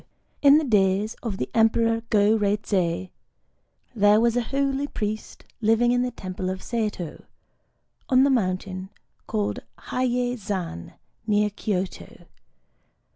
In the days of the Emperor Go Reizei, there was a holy priest living in the temple of Saito, on the mountain called Hiyei Zan, near Kyōto.